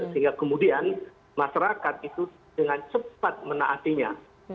sehingga kemudian masyarakat itu dengan cepat menaatinya